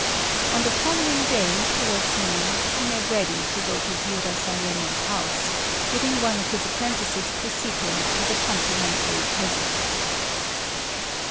On the following day, towards noon, he made ready to go to Jiurozayémon's house, bidding one of his apprentices precede him with a complimentary present.